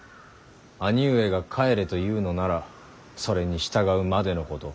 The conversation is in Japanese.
兄上が帰れと言うのならそれに従うまでのこと。